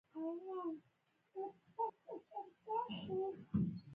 ډېرې ډلې او بنسټونه د دوی تبلیغاتو ته باج ورکوي